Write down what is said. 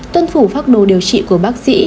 tuân phủ pháp đồ điều trị của bác sĩ